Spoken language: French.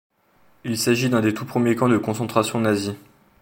Il s'agit d'un des tout premiers camps de concentration nazis.